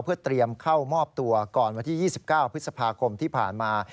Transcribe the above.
เพื่อเตรียมเข้ามอบตัวก่อนวันที่๒๙พฤษภาคมที่ผ่านมา